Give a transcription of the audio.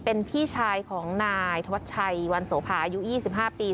เป็นพี่ชายของนายธวัชชัยวันโสภาอายุ๒๕ปี